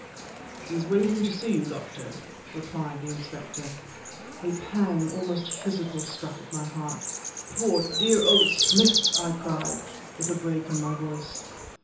"He's waiting to see you, Doctor," replied the inspector. A pang, almost physical, struck at my heart. "Poor, dear old Smith!" I cried, with a break in my voice.